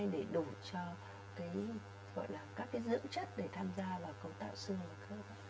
để đủ cho các dưỡng chất để tham gia vào cấu tạo xương khớp